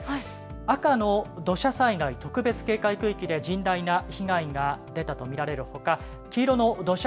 赤の土砂災害特別警戒区域で甚大な被害が出たと見られるほか黄色の土砂